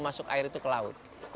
masuk air itu ke laut